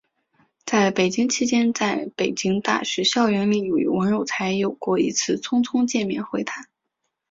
在北京期间在北京大学校园里与王有才有过一次匆匆见面交谈。